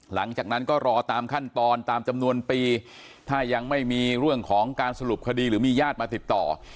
หลังจากนั้นก็รอตามขั้นตอนตามจำนวนปีถ้ายังไม่มีเรื่องของการสรุปคดีหรือมีญาติมาติดต่อ